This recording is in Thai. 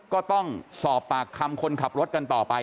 ก็ต้องสอบปากคำคนขับรถกันต่อไป